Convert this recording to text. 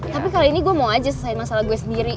tapi kali ini gue mau aja selain masalah gue sendiri